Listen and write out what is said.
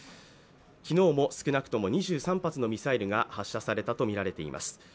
昨日も少なくとも２３発のミサイルが発射されたとみられています。